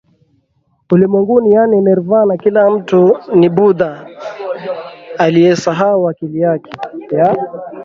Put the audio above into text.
ulimwenguni yaani Nirvana kila mtu ni Buddha aliyesahau asili yake ya